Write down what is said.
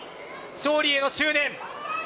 勝利への執念。